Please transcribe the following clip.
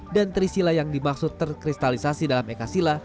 dan trisila yang dimaksud terkristalisasi dalam ekasila